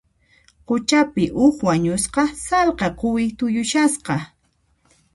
Quchapi, huk wañusqa sallqa quwi tuyushasqa.